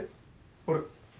あれ？